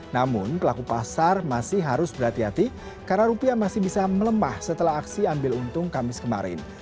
namun pelaku pasar masih harus berhati hati karena rupiah masih bisa melemah setelah aksi ambil untung kamis kemarin